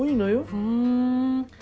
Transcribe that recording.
ふん。